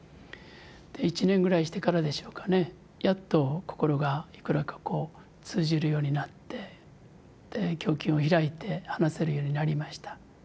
１年ぐらいしてからでしょうかねやっと心がいくらかこう通じるようになって胸襟を開いて話せるようになりました。